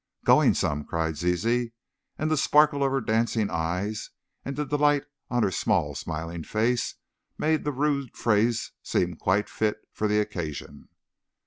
"Going some!" cried Zizi, and the sparkle of her dancing eyes and the delight on her small, smiling face, made the rude phrase seem quite fit for the occasion.